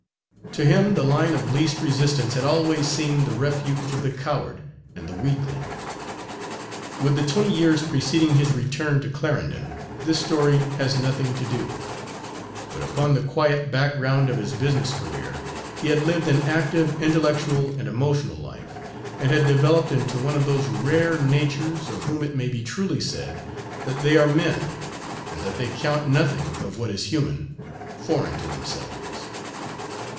To him the line of least resistance had always seemed the refuge of the coward and the weakling. With the twenty years preceding his return to Clarendon, this story has nothing to do; but upon the quiet background of his business career he had lived an active intellectual and emotional life, and had developed into one of those rare natures of whom it may be truly said that they are men, and that they count nothing of what is human foreign to themselves.